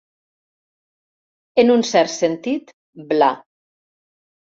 En un cert sentit, bla.